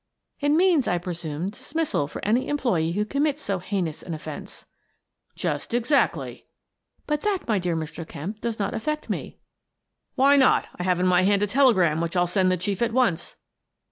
"It means, I presume, dismissal for any employee who commits so heinous an offence." " Just exactly." " But that, my dear Mr. Kemp, does not affect me." " Why not? I have in my hand a telegram which I'll send the Chief at once."